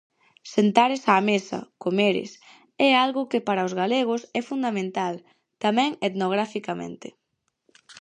Sentares á mesa, comeres, é algo que para os galegos é fundamental, tamén etnograficamente.